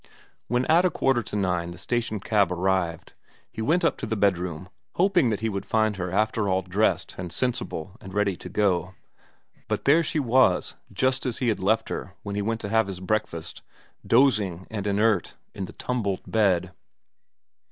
When at a quarter to nine the station cab arrived, he went up to the bedroom hoping that he would find her after all dressed and sensible and ready to go, but there she was just as he had left her when he went to have his breakfast, dozing and inert in the tumbled bed.